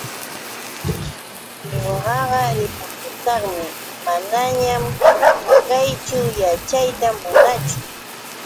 Ñuqaqa ripukushaqmi, manañan kayćhu yaćhayta munaachu.